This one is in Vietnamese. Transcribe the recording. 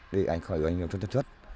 để ảnh khỏi gây ảnh hưởng cho thất xuất